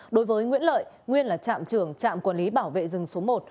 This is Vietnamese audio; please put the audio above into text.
đối với nguyễn lợi nguyên là trạm trưởng trạm quản lý bảo vệ rừng số một